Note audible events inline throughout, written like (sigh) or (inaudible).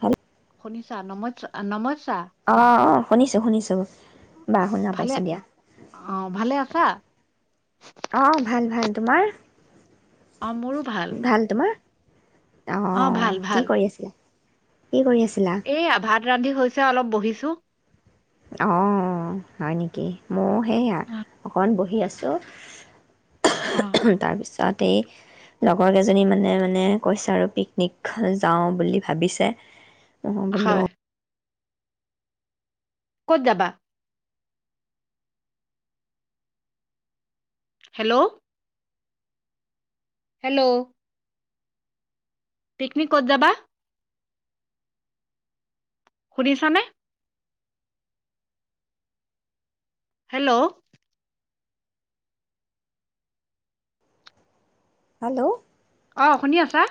হল ', শুনিছা নমজ আ নমজ অ', - অ ', শুনিছোঁ - শুনিছোঁ। ভালে অ', ভালে আছা। অ', ভাল - ভাল তোমাৰ? অঁ', মোৰো ভাল। ভাল অ', কি ভাল কৰি আছিলে? কি কৰি আছিলা? এইয়া ভাত ৰান্ধি হৈছে অলপ বহিছো অ' হয় নেকি ময় সেয়া অকণ বহি আছো অ তাৰপিছত তাতেই লগৰ কেইজনী মানে মানে কৈছে আৰু পিকনিক যাওঁ বুলি ভাবিছে অ' বলো হয় ক'ত যাবা হেল্ল' হেল্ল' পিকনিক ক'ত যাবা শুনিছানে হেল্ল' হেল্ল' অ' শুনি আছা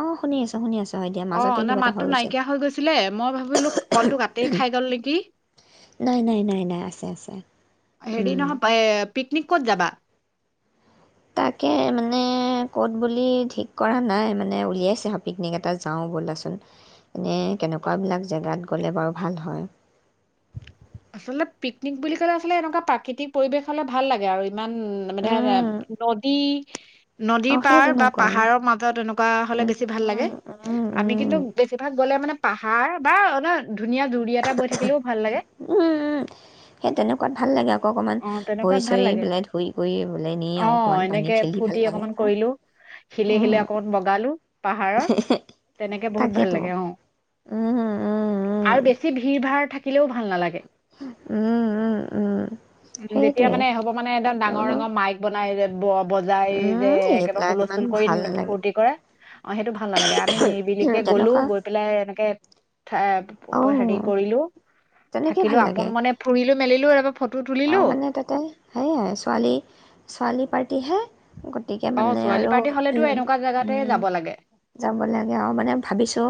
অ শুনি আছোুনি আছো হয় দিয়া অ মাজতে নাই কিবা এটা হৈ মাতটো গৈছিল নাইকিয়া হৈ গৈছিলে মই ভাবিলো কলটো কাতেই খাই গল নেকি নাই নাই নাই নাই আছে আছে হেৰি উম নহয় এ পিকনিকত যাবা তাকে মানে ক'ত বুলি ঠিক কৰা নাই মানে উলিয়াইছে আৰু পিকনিক এটা যাওঁ ব'লাচোন এনেই কেনেকুৱাবিলাক জেগাত গ'লে বাৰু ভাল হয় আচলতে পিকনিক বুলি ক'লে আচলতে এনেকুৱা প্ৰাকৃতিক পৰিবেশ হলে ভাল লাগে আৰু ইমান মানে উম, ধ নদী নদীৰ অঁ সেই পাৰ বা তেনেকুৱা পাহাৰৰ মাজত এনেকুৱা হলে উম, বেছি ভাল উম, লাগে উম, উম, আমি কিন্তু বেছিভাগ গ'লে মানে পাহাৰ বা অানে ধুনীয়া জুৰিীয়াাত এটা বৈ থাকিলে ভাল লাগে উম উম সেই তেনেকুৱাত ভাল লাগে আ অ তেনেকুৱাত ভাল লাগে কৰি পেলাই নি অ আৰু অকণমান পানী এনেকে খেলি ভাল ফূৰ্তি লাগে অকমান নহয় কৰিলো শিলে শিলে উম, অকমান বগালো পাহাৰৰ তেনেকে বহুত ভাল তাকেতো লাগে অ উম, উম, উম, আৰু বেছি ভিৰ ভাৰ থাক থাকিলেও ভাল নালাগে। উম উম উম উম যেতিয়া সেইটোৱে মানে হ'ব মানে একদম তাকে ডাঙৰ বোলো ডাঙৰ মাইক বনাই ব বজাই যে উম, একেবাৰে এইবিলাক ইমান হুলস্থুল কৰি ভাল নালাগে ফূুৰ্তি কৰে অ সেইটো ভাল নালাগে আমি নিৰিবিলিকে গলো তেনেকুৱা গৈ পেলাই এনেকে এ হেৰি অঁ কৰিলো তেনেকে থাকিলো আপোন মানে ফুৰিলো মেলিলো এব তাৰ মানে তাতে সেইয়াই ছোৱালী ছোৱালী পাৰ তিহে গতিকে অ', মানে ছোৱালী আৰু পাৰ্টি হ'লেতো উ এনেকুৱা জেগাতে উম যাব লাগে যাব লাগে আৰু মানে ভাবিছো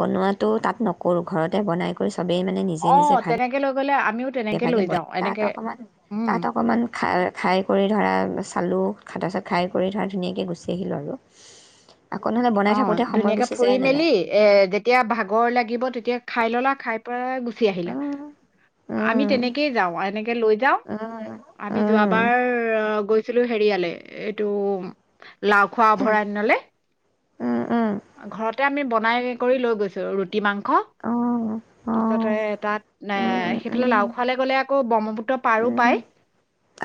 বনোৱাটো তাত নকৰোঁ ঘৰতে বনাই কৰিছো চবেই মানে নিজে অ', নিজে ভাবি তেনেকে লৈ গ'লে আ লগে - ভাগে বন তাত অকণমান উম, তাত অকণমান খাই খাই কৰি ধৰা চালু খাতা চাত খাই কৰি ধৰা ধুনীয়াকৈ গুচি আহিলোঁ আৰু আকৌ নহ'লে বনাই অ থাকোঁতে সময় ধুনীয়াকে গুচি ফুৰি যায় নে মেলি নাই এ যেতিয়া ভাগৰ লাগিব তেতিয়া খাই ললা খাই পেলাই গুচি আহিলা আমি উম তেনেকে যাওঁ এনেকে লৈ যাওঁ উম উম ছিলো হেৰিয়ালে এইটো লাওখোৱা অভয়াৰণ্যলে উম ঘৰতে আমি বনাই কৰি লৈ গৈছো ৰু কতি মাংস উম অঁ তাৰপিছতে তাত এ সেইফালে অঁ লাও খোৱালে গ'লে আকৌ ব্ৰহ্মপুত্ৰ পাৰো উম, পায়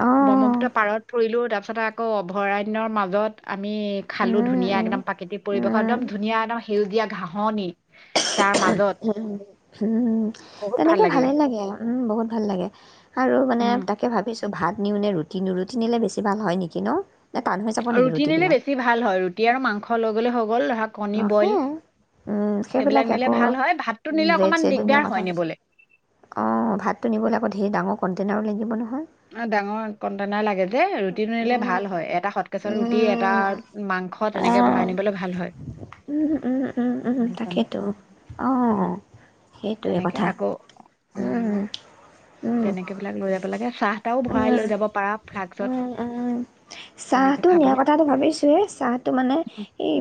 অ', ব্ৰহ্মপুত্ৰ পাৰত ফুৰিলো তাৰপিছত আকৌ অভয়াৰণ্যৰ মাজত আমি খালো উম, ধুনীয়া উম, একদম প্ৰাকৃতিক পৰিৱেশ উম, একদম ধুনীয়া একদম সেউজীয়া ঘাঁহনি তাৰ মাজত উম বহুত ভাল তেনেকে লাগিলে ভালেই লাগে আৰু উম বহুত ভাল লাগে আৰু মানে উম, তাকে ভাবিছো ত' ভাত নিও নে ৰুটি নিও ৰুটি নিলে বেছি ভাল হয় নেকি ন নে টান হৈ যাব নেকি ৰুটি নিলে ৰুটিবিলাক? বেছি ভাল হয় ৰুটি আৰু মাংস লগত ব বুলি হ'ব অ সেয়াই উম সেইবিলাক সেইবিলাকে নিলে আকৌ ভাল হয় ভাতটো নিলে অকণমান ব্ৰেড-চেড দিগদাৰ নিয়া কথা হয় নিবলৈ অ ভাতটো নিবলৈ আকৌ ধেৰ ডাঙৰ ক তেনে আও লাগিব নহয় অ ডাঙৰ কণ্টনাৰ লাগে যে যে ৰুটি নিলে উম, ভাল হয় এটা সট কেচত ৰুটি এটা উম, মাংস তেনেকে ভৰাই অ', নিবলৈ ভাল হয় উম, উম, উম, উম, সেইকাৰণে তাকেতো। অ', সেইটোৱে তেনেকে কথা। আকৌ উম তেনেকে বিলাক লৈ যাব লাগে চাহ তাহও উ ভৰাই লৈ যাব পাৰা উ ফ্লাক্সত উ তেনেকে চাহটো নিয়াৰ খাবলৈ কথাটো ভাবিছোয়ে চাহটো মানে এই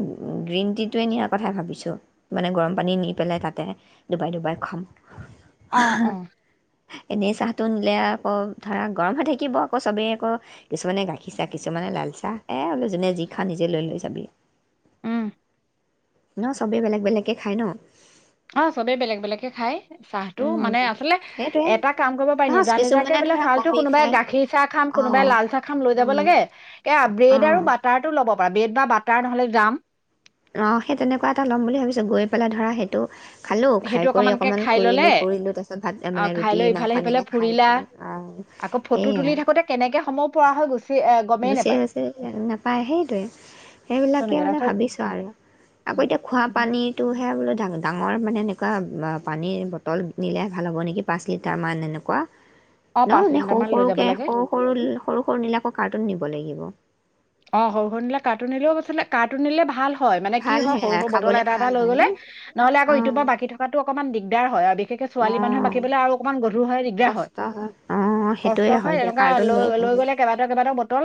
গ্ৰীণ টি টোৱে নিয়াৰ কথা ভাব ভাবিছোঁ মানে গৰম পানী নি পেলাই তাতে ডুবাই ডুবাই খাম অ অ এনেই চাহটো নিলে আকৌ ধৰা গৰম হৈ থাকিব আকৌ চবেই আকৌ কিছুমানে গাখীৰ চাহ কিছুমানে লাল চাহ এ বোলো যোনে যি খা নিজে লৈ লৈ যাবি উম ন চবেই বেলেগ বেলেগে খায় ন অ চবে বেলেগ বেলেগে খায় চাহটো উম, মানে আচলতে সেইটোৱে এটা কাম কৰিব পাৰি নহয় নিজা নিজাকে কিছুমানে বোলে ধৰা চাহটো কফি কোনোবাই খায় গাখীৰ চাহ খাম কোনোবাই অঁ লাল চাহ খাম লৈ যাব অঁ লাগে কে ব্ৰেড অঁ আৰু বাটাৰটো ল ব্ৰেড বা বাটাৰ নহলে দাম অ সেই তেনেকুৱা এটা ল'ম বুলি ভাবিছো গৈ পেলাই ধৰা সেইটো খালোঁ খাই সেইটো কৰি অকমানকে অকণমান খাই ললে ঘূৰিলোঁ ফুৰিলোঁ তাৰপিছত ভাত অ মানে খাই ৰুটি লৈ ইফালে মাংস সিফালে এনেকৈ খাই ফুৰিলা কৰি অঁ আকৌ ফটো তুলি সেয়া থাকোতে কেনেকে সময়ো পৰা হয় গুচি আহ গুচি গছে নাপায় সেইটোৱে সেইবিলাকে তেনেকে মানে তাৰপিছত ভাবিছো আৰু আকৌ এতিয়া খোৱা পানীটোে খাবলৈ ডাঙৰ মানে এনেকুৱা পানীৰ বটল নিলে ভাল হ'ব নেকি পাঁচ লিটাৰমান এনেকুৱা অ ন পাঁচ নে সৰু লিটাৰমান লৈ যাব সৰুকে লাগে সৰু সৰু সৰু সৰু নিলাকক কাৰ্টুন নিব লাগিব অ সৰু সৰু নিলা কাৰ্টোন দিলেও কথা নাই কাৰ্টুন দিলে ভাল হয় মানে কি ভাল হয় সেয়া সৰু সৰু বটল খাবলৈ এটা এটা ভাল লৈ হয় ন গলে নহলে আকৌ ইটোৰ অঁ পৰা বাকী থকাটো অকমান দিগদ বেৰ হয় আ গতিকে ছোৱালী মানুহে অঁ বাকীলৈ আৰু অকণমান গধুৰ হয় কষ্ট হয় অ কষ্ট সেইটোয়ে হয় দিয়া এনেকুৱা কাৰ্টুন লৈ ভাল হয় গ'লে কেইবাটাও বটল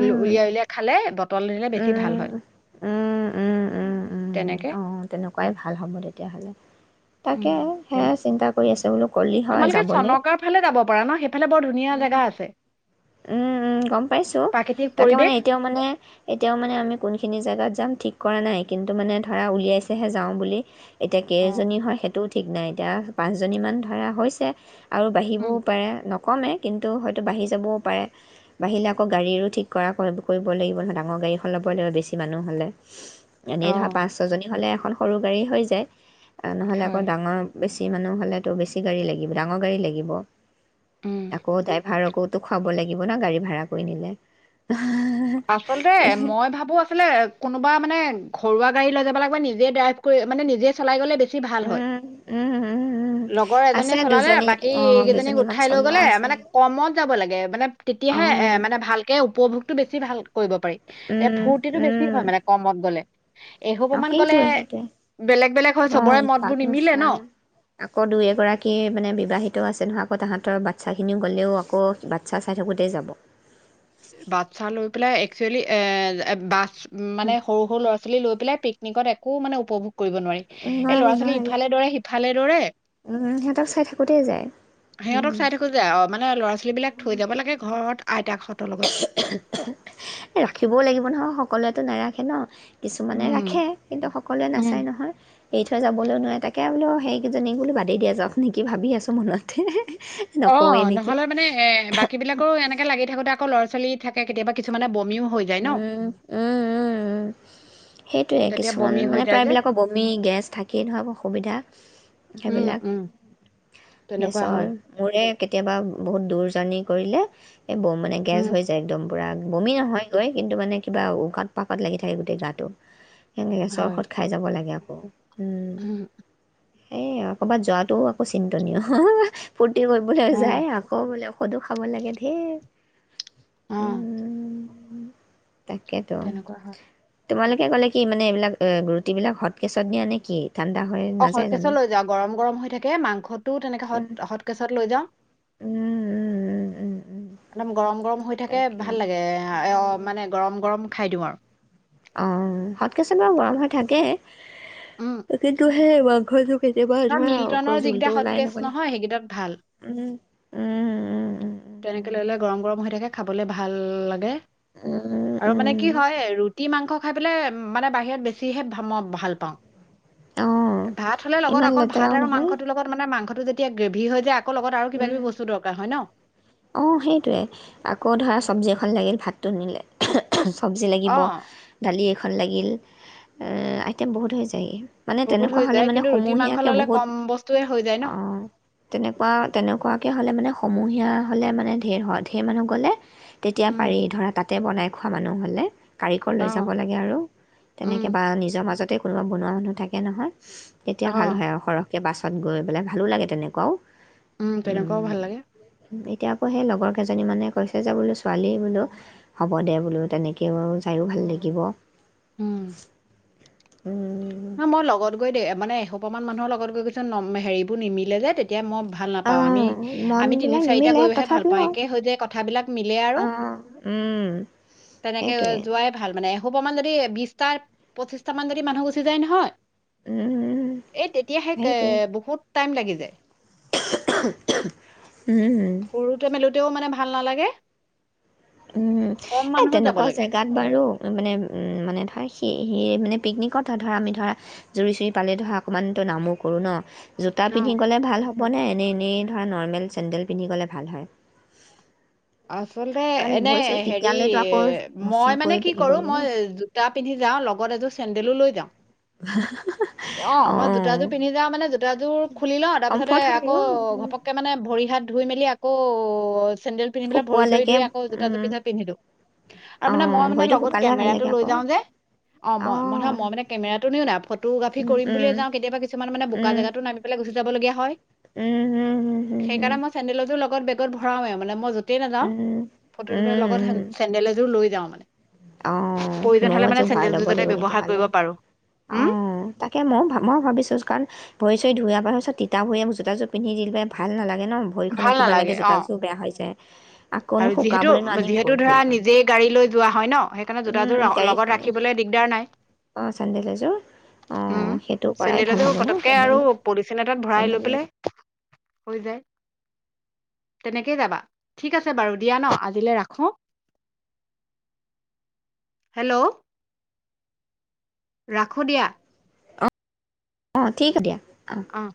উ উলিয়াই উলিয়াই খালে ব উম উম উম উম উম তেনেকে আহ তেনেকুৱাই ভাল হব তেতিয়াহলে তাকে উম হে তেনে চিন্তা কৰি আছে বোল কলি হয় তোমালোকে যাবলৈ চনকাৰ ফালে যাব পাৰা ন সেইফালে বৰ ধুনীয়া উম জেগা আছে উম উম গম পাইছো প্ৰাকৃতিক তাকে মানে পৰিৱেশ এতিয়াও মানে এতিয়াও মানে আমি কোনখিনি জেগাত যাম ঠিক কৰা নাই কিন্তু মানে ধৰা উলিয়াইছেহে যাওঁ বুলি এতিয়া অ কেইজনী হয়েই তো ঠিক নাই এতিয়া পাঁচজনীমান ধৰা হৈছে আৰু বাঢ়িবও উম, পাৰে নক কমেই কিন্তু হয়তো বাঢ়ি যাবও পাৰে বাঢ়িলে আকৌ গাড়ীৰো ঠিক কৰা কৰিব লাগিব নহয় তাক ডাঙৰ গাড়ীখন ওলাবই লাগিব বেছি মানুহ হ'লে এনেই ধৰা অ' পাঁচ ছ জনী হলে এখন সৰু গাড়ী হৈ যায় নহলে আকৌ হয় ডাঙৰ বেছি বেছি মানুহ হলে বেছি গাড়ী লাগিব ডাঙৰ গাড়ী লাগিব উম আকৌ তাই ভাৰকৌতো খুৱাব লাগিব না গাড়ী ভাড়া কৰি নিলে আচলতে মই ভাবো আছিলে কোনোবা মানে ঘৰুৱা় লৈ যাব লাগিব নিজে ড্ৰাইভ কৰি মানে নিজে চলাই গ'লে বে বেছি ভাল হয় উম, উম, উম, উম, লগৰ আছে এজনীয়ে চলালে দুজনী বাকী অ', কেইজনীক দুজনীমান উঠাই লৈ চলোৱা গলে আছে। মানে কমত যাব লাগে মানে তেতিয়াহে এ অ', মানে ভালকে উপভোগতটো বেছি ভাল কৰিব পাৰি এ উম, ফুৰ্তিটো বেছি উম, হয় মানে কমত কলে অ সেইটোৱে সেইটোৱে বেলেগ বেলেগ হয় চবৰে মতবোৰ অ নিমিলে ন চাম আকৌ দুই এগৰাকী মানে বিবাহিত আছে নহয় আকৌ তাহাঁত বাচ্ছাখিনিও গ'লেও আকৌ বাচ্ছা চাই থাকোঁতেই যাব বাচ্ছা লৈ পেলাই একচুৱেলি এ বাচ উম মানে সৰু সৰু ল'ৰা ছোৱালী লৈ পেলাই পিক নিগত একো মানে উপভোগ কৰিব নোৱাৰি এই ল'ৰা নোৱাৰি ছোৱালী নোৱাৰি ইফালে দৰে সি ভালে দৰে উম, সিহঁতক চাই থাকোঁতেই যায়। সিহঁতক উম। চাই থাকো যে অ মানে ল'ৰা ছোৱালী বিলাক থৈ যাব লাগে ঘৰত আইতাখন ৰাখিবও লাগিব নহয় সকলোৱে টো নাৰাখে ন কিছুমানে উম, ৰাখে কিন্তু সকলোৱে নাচায় উম। নহয় এৰি থৈ যাবলৈ নোৱাৰে তাকে বোলো সেইকেইজনী বোলো বাদে দিয়া যাওক নেকি ভাবি আছো মনতে অ নকওঁৱেই নেকি নহলে মানে এ বাকী বিলাকৰ এনেকে লাগি থাকোতে আকৌ লৰা ছোৱালী চলি থাকে কেতিয়াবা কিছুমানে বমিও হৈ যায় এ ন। এ এ সেইটোৱে তেতিয়া কিছুমান বমি হৈ মানে যায় যে প্ৰায়বিলাকৰ বমি গেছ থাকিয়েই ধৰক অসুবিধা উম, সেইবিলাক উম, তেনেকুৱা হয়। গেছৰ মৰে কেতিয়াবা বহুত দূৰ জাৰ্ণি কৰিলে এই বোৰ মানে গেছ উম। হৈ যায় একদম পূৰা বমি নহয় লৈ কিন্তু মানে কিবা উকত পাকত লাগি থাকে গোটেই গাটো সেয়েহে গেছৰ হয়, ঔষধ খাই যাব লাগে আৰু অ উম এ কৰবাত যোৱাটো আকৌ চিন্তনীয় ফূৰ্তি কৰিবলৈ অ', যায় আকৌ বোলে সদো খাব লাগে ধেৰ অ', উম তাকেতো তেনেকুৱা হয়। তোমালোকে ক'লে কি মান এইবিলাক ৰুটি বিলাক হটকেচত নিয়া নে কি? ঠাণ্ডা হৈ অ নাযায় হটকেচ জানো লৈ যাও গৰম গৰম হৈ থাকে মাংসটোো তেনেকে উম, হত কেচত লৈ যাওঁ উম, উম, উম, উম, ম গৰম গৰম থাকে তাকে ভাল লাগে মানে গৰম গৰম খাই দিওঁ আৰু অ সৎকেচন বাৰু গৰম হৈ থাকে উম, কিন্ত হ মাংস কেতিয়াবা আৰু ধৰা আকৌ মিল্টনৰ যিকেইটা জোলটো ওলাই হটকেচ নবলে নহয় সেইকেইটাত ভাল উম উম উম উম তেনেকে লৈ ললে গৰম গৰম হৈ থাকে খাবলে ভাল লাগে আৰু মানে কি হয় ৰুটি মাংস খ প মানে বাহিৰত বেছিকৈ মই ভাল পাওঁ অঁ ভাত হ'লে লগত ইমান অকল ভাত লেতেৰাও আৰু নহয় মাংসটোৰ লগত মানে মাংস যেয়া গ্ৰভি হৈ যায় লগত আৰু কিবা উম, কিবি বস্তু দৰকাৰ হয় ন অঁ সেইটোৱে আকৌ ধৰা চব্জি এখন লাগিল ভাতটো নিলে চবজি লাগিব অ', দালি এখন লাগিল আইটেম বহুত হৈ যায়গ মানে বহুত তেনেকুৱা হৈ হলে যায় মানে কিন্তু ৰুটি মাংস সমূহীয়াকে ল'লে বহুত কম বস্তুৱে হৈ যায় ন আহ তেনেকুৱা এনেকুৱাকে হ'লে মানে সমূহীয়া হ'লে মানে ধেৰ হয় দেৰ মানুহ গ'লে তেতিয়া উম, পাৰি ধৰা তাত তাতে বনাই খোৱা মানুহ হ'লে কাৰিকৰ লৈ যাব অ', লাগে আৰু উম তেনেকৈ বা নিজৰ মাজতে কোনোবা বনোৱা মানুহ থাকে নহয় অ এতিয়া ভাল হয় আৰু সৰহ পাছত গৈ পেলাই ভালো লাগে তেনেকুৱাও উম প্ৰনেংকাও ভাল লাগে এতিয়া আকৌ সেই লগৰ কেইজনী মানে কৈছে যে বোলো ছোৱালী বোলো হ'ব দে বোলো তেনেকৈও যায়ো ভাল লাগিব উম ন মই লগত গৈ দে মানে অকণমান মানুহৰ লগ গৈ কিছু হেৰিবোৰ নিমিলে যে তেতিয়া মই ভাল নাপাওঁ আমি অঁ আমি তিনি মনবিলাক চাৰিটা নিমিলে গৈহে ভাল তথাপিও পাওঁ একে হৈ যে কথাবিলাক মিলে আৰু অঁ তেনেকে সেইটোৱে যোৱাই ভাল মানে দুশপ মান যদি বিটা পঁচিছটা মান যদি মানুহ গ যাই নহয় উম, এ তেতিয়াহে কে সেইটোৱে বহুত টাইম লাগি যায়। উম তেও মানে ভাল নালাগে উম, কম এ মানুহত যাব তেনেকুৱা লাগে জেগাত বাৰু মানে উম মানে ধৰ সি সে মানে পিকনিকত ধৰা আমি ধৰা জুৰি চুৰি পালে ধৰা অকণমানতো নামো কৰোঁ ন। জোতা অ পিন্ধি গ'লে ভাল হ ব নাই এনে এনেই ধৰা নৰ্মেল চেন্দেল পিন্ধি গলে ভাল হয়। আচলতে কাৰণ এনে ভৰিছো হেৰি, তেতিয়ালেতো আকৌ মুচি মই মানে কৰি কি পিন্ধিব কৰো লাগিব ন মই জোতা পিন্ধি যাওঁ লগত এযোৰ চে ল লৈ যাও (unintelligible) অঁ মই অ', জোতাযোৰ পিন্ধি যাওঁ মানে জোতাযোৰ খুলি লওঁ তাৰপিছতে কমফৰ্ট হয় আকৌ আৰু ঘপককে মানে ভৰি হাত ধুই মেলি আকৌ অ চেডেল পিন্ধি পেলাই ভৰি চৰি শুকোৱালৈকে ধুই আকৌ জোতাজোৰ উম, পিন্ধা-পিন্ধিলো, আৰু মানে মই অ', মানে ভৰিটো লগত শুকালেহে ভাল কেমেৰাটো লাগে লৈ আকৌ যাওঁ যে, অ মই মহা মই মানে কেমেৰাটো নিও নাই ফটোগ্ৰাফি উম, কৰিম উম, বুলিয়েই যাওঁ কেতিয়াবা কিছুমান মানে বোকা উম, জেগাতটো নামি পেল গো যাবলগীয়া হয় উম, হুম, হুম, হুম, হুম, সেইকাৰণে মই চেণ্ডেল এযোৰ লগ বেগত ভৰাও এ মানে মই গতেই নাযাও, উম, উম, ফটোটো লগত হ চেডেল এযোৰ লৈ যাওঁ মানে অঁ প্ৰয়োজন ময়ো হ'লে মানে এযোৰ ভৰায় লব চেন্দেলযোৰ যাতে লাগিব ব্যৱহাৰ তেতিয়াহলে, কৰিব পাৰো, উম, অঁ তাকে ময় ভ মই ভাবিছোঁ কাৰণ ভৰি চৰি ধুই আহাৰ পাৰ পিছত তিতা ভৰিয়ে জোতাযোৰ পিন্ধি দিলে ভাল নালাগে। লাগে ন ভৰি খনো ভাল কিবা লাগে, নালাগে অ'। জোতাযোৰ বেয়া হয় যায়। আকৌনো আৰু যিহেতু, শুকাবলৈনো আনিম যিহেতু ক'ত ধৰা ভৰিখন নিজেই গাড়ী লৈ যোৱা হয় ন অ সেইকাৰণে উম, জোতাযোৰ উম, ল-লগত গাড়ীখন ৰাখিবলে দিগদাৰ নাই। অ চেণ্ডেল এযোৰ অ উম সেইটো কৰাই চেণ্ডেল ভাল এযোৰ হ'ব ন পতককে আৰু চেণ্ডেল পলিথিন এটাত ভৰাই লৈ চেণ্ডেল পেলে হৈ যায়, তেনেকেই যাবা ঠিক আছে বাৰু দিয়া ন আজিলে ৰাখো। হেল্ল' ৰাখোঁ দিয়া অঁ, অ ঠিক হ দিয়া। অঁ অ